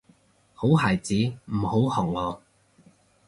好孩子唔好學我